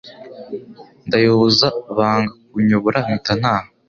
Ndayoboza banga kunyobora mpita ntaha